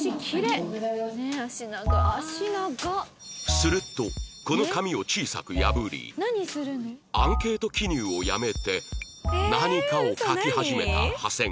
するとこの紙を小さく破りアンケート記入をやめて何かを書き始めた長谷川